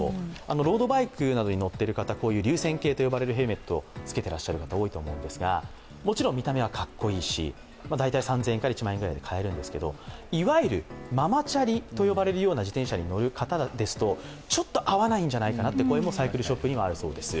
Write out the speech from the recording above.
ロードバイクなどに乗ってる方、流線型といわれるヘルメットつけてると思いますがもちろん見た目はかっこいいし、大体３０００円から１万円ぐらいで買えるんですけど、いわゆるママチャリと呼ばれるような自転車に乗る方ですと、ちょっと合わないんじゃないかなという声もサイクルショップにはあるそうなんです。